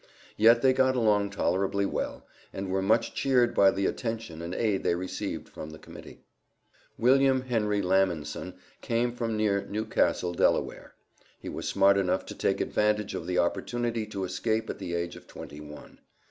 Yet they got along tolerably well, and were much cheered by the attention and aid they received from the Committee. William Henry Laminson came from near Newcastle, Delaware. He was smart enough to take advantage of the opportunity to escape at the age of twenty one.